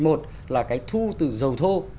một là cái thu từ dầu thô